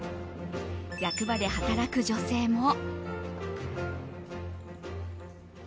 役場で働く女性も。